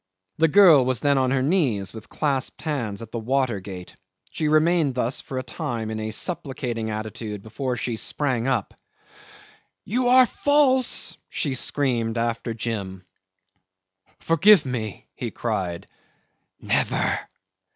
The girl was then on her knees, with clasped hands, at the water gate. She remained thus for a time in a supplicating attitude before she sprang up. "You are false!" she screamed out after Jim. "Forgive me," he cried. "Never!